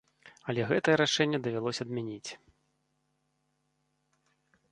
Але гэтае рашэнне давялося адмяніць.